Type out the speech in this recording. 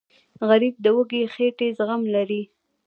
غریب د وږې خېټې زغم لري